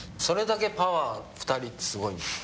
それだけパワー２人ってすごい。